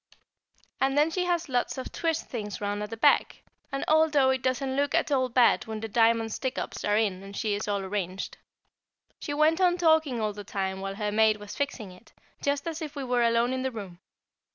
And then she has lots of twist things round at the back, and although it doesn't look at all bad when the diamond stick ups are in and she is all arranged. She went on talking all the time while her maid was fixing it, just as if we were alone in the room.